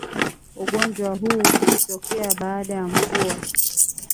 Ugonjwa huu hutokea baada ya mvua